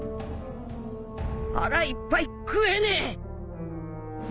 腹いっぱい食えねえ。